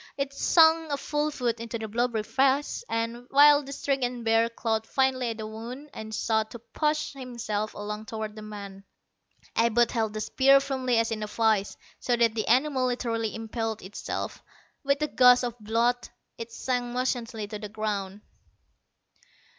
It sank a full foot into the blubbery flesh, and, while the stricken bear clawed vainly at the wound and sought to push himself along toward the man, Abud held the spear firmly as in a vise, so that the animal literally impaled itself. With a gush of blood, it sank motionless to the ground.